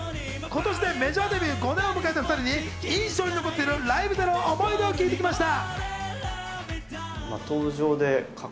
今年でメジャーデビュー５年を迎えた２人に印象に残っているライブでの思い出を聞いてきました。